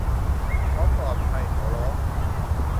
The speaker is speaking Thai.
เขาปลอดภัย เขาร้อง